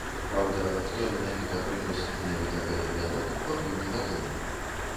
Праўда, хто менавіта прынёс менавіта гэты вянок, пакуль невядома.